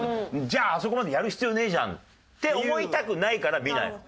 「じゃああそこまでやる必要ねえじゃん」って思いたくないから見ないの。